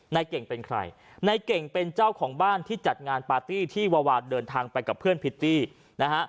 ในเก่งเป็นใครนายเก่งเป็นเจ้าของบ้านที่จัดงานปาร์ตี้ที่วาวาเดินทางไปกับเพื่อนพิตตี้นะฮะ